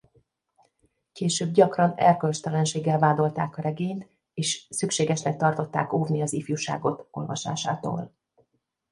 Később gyakran erkölcstelenséggel vádolták a regényt és szükségesnek tartották óvni az ifjúságot olvasásától.